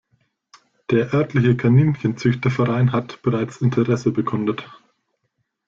Der örtliche Kaninchenzüchterverein hat bereits Interesse bekundet.